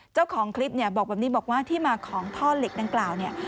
เจ้าของคลิปเนี่ยบอกแบบนี้บอกว่าที่มาของท่อเหล็กดังกล่าวเนี่ย